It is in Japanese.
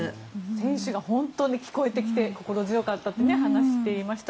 選手が本当に聞こえてきて心強かったと話していました。